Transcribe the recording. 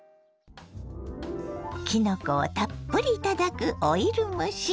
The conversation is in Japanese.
きのこをたっぷり頂くオイル蒸し。